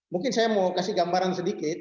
mungkin saya mau kasih gambaran sedikit